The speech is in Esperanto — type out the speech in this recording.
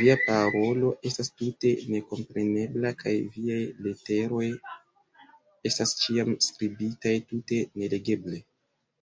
Via parolo estas tute nekomprenebla kaj viaj leteroj estas ĉiam skribitaj tute nelegeble.